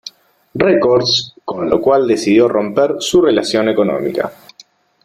Records, con la cual decidió romper su relación económica.